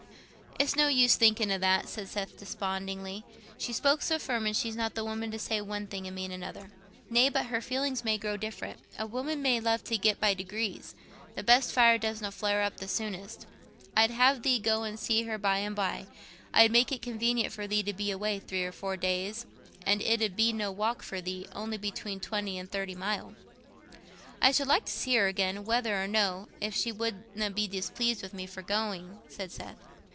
"It's no use thinking o' that," said Seth, despondingly. "She spoke so firm, and she's not the woman to say one thing and mean another." "Nay, but her feelings may grow different. A woman may get to love by degrees—the best fire dosna flare up the soonest. I'd have thee go and see her by and by: I'd make it convenient for thee to be away three or four days, and it 'ud be no walk for thee—only between twenty and thirty mile." "I should like to see her again, whether or no, if she wouldna be displeased with me for going," said Seth.